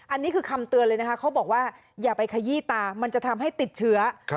อันนี้คือคำเตือนเลยนะคะเขาบอกว่าอย่าไปขยี้ตามันจะทำให้ติดเชื้อ